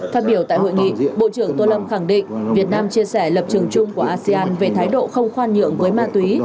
phát biểu tại hội nghị bộ trưởng tô lâm khẳng định việt nam chia sẻ lập trường chung của asean về thái độ không khoan nhượng với ma túy